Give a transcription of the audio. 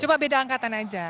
coba beda angkatan aja